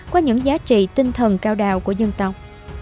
qua những giá trị tinh thần cao đào của dân tộc